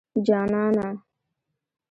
جانانه